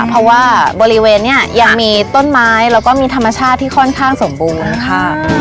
เพราะว่าบริเวณนี้ยังมีต้นไม้แล้วก็มีธรรมชาติที่ค่อนข้างสมบูรณ์ค่ะ